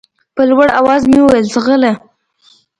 په لوړ اواز مې وويل ځغله.